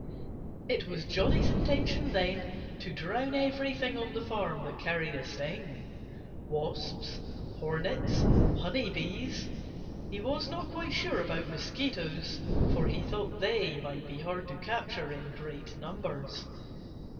It was Johnnie's intention then to drown everything on the farm that carried a sting wasps, hornets, honey bees. He was not quite sure about mosquitoes, for he thought they might be hard to capture in great numbers.